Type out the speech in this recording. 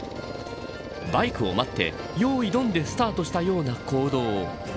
バイクを待ってよーいドンでスタートしたような行動。